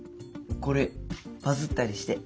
これバズったりして。